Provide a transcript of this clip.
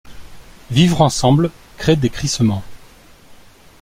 Vivre ensemble crée des crissements.